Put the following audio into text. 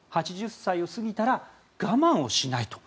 ８０歳を過ぎたら我慢をしない。